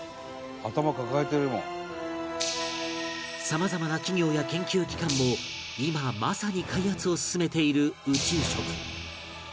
さまざまな企業や研究機関も今まさに開発を進めている宇宙食